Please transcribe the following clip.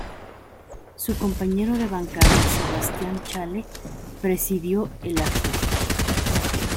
Su compañero de bancada Sebastián Chale presidió el acto.